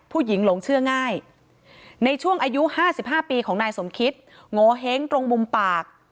หลงเชื่อง่ายในช่วงอายุ๕๕ปีของนายสมคิดโงเห้งตรงมุมปาก